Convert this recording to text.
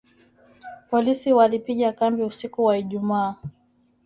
Polisi walipiga kambi usiku wa Ijumaa